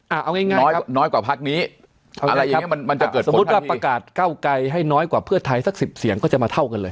เอาง่ายน้อยน้อยกว่าพักนี้อะไรอย่างเงี้มันมันจะเกิดสมมุติว่าประกาศเก้าไกลให้น้อยกว่าเพื่อไทยสักสิบเสียงก็จะมาเท่ากันเลย